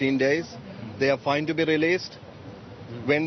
selama empat belas hari mereka akan dikeluarkan dengan baik